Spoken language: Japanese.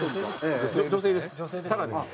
女性ですか？